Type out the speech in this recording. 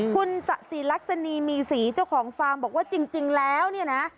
คุณศรีลักษณีมีศรีเจ้าของฟาร์มบอกว่าจริงแล้วเนี่ยนะ